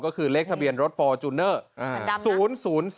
ก็คือเลขทะเบียนรถฟอร์จูเนอร์